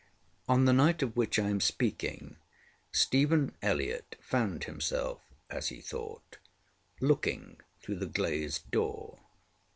On the night of which I am speaking, Stephen Elliott found himself, as he thought, looking through the glazed door.